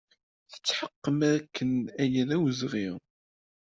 Tetḥeqqem dakken aya d awezɣi?